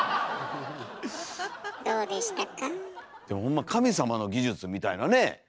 でもホンマ神様の技術みたいなねえ？